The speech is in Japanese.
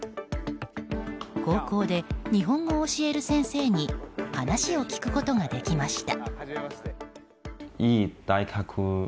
高校で日本語を教える先生に話を聞くことができました。